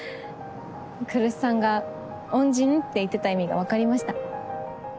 来栖さんが恩人って言ってた意味がわかりました。